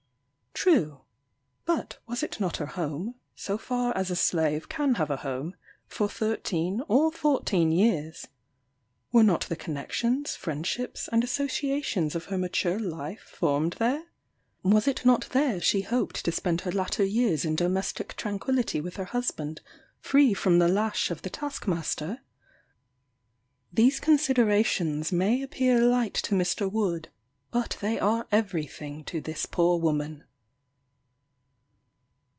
True: But was it not her home (so far as a slave can have a home) for thirteen or fourteen years? Were not the connexions, friendships, and associations of her mature life formed there? Was it not there she hoped to spend her latter years in domestic tranquillity with her husband, free from the lash of the taskmaster? These considerations may appear light to Mr. Wood, but they are every thing to this poor woman.